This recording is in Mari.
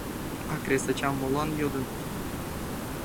А кресачам молан йодыныт?